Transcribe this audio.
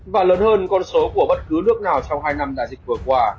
và lớn hơn con số của bất cứ nước nào trong hai năm đại dịch vừa qua